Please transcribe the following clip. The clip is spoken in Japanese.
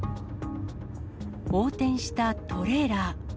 横転したトレーラー。